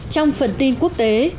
trong phần tin quốc tế